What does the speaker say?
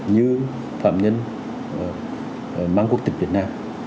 như phạm nhân mang quốc tịch việt nam